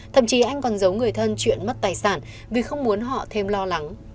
thậm chí anh còn giấu người thân chuyện mất tài sản vì không muốn họ thêm lo lắng